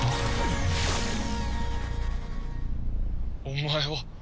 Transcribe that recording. お前は！